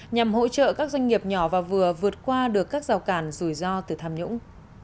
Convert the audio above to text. nhằm hỗ trợ các doanh nghiệp nhỏ và vừa vượt qua được các rào cản rủi ro từ tham nhũng